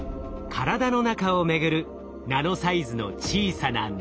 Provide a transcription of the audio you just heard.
体の中を巡るナノサイズの小さな乗り物。